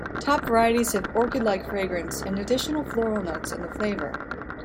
Top varieties have orchid-like fragrance and additional floral notes in the flavor.